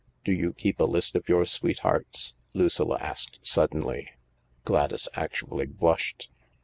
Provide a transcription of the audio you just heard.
" Do you keep a list of your sweethearts ?" Lucilla asked suddenly. Gladys actually blushed.